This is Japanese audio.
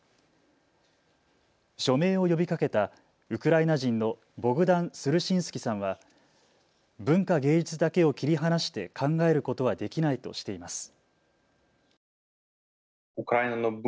署名を呼びかけたウクライナ人のボグダン・スルシンスキさんは文化芸術だけを切り離して考えることはできないとしています。